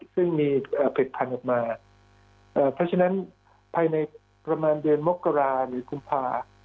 ซึ่งมีเผ็ดพันธุ์ออกมาเพราะฉะนั้นภายในประมาณเดือนมกราหรือกุมภา